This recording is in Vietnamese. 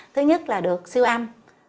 thứ nhất là được siêu âm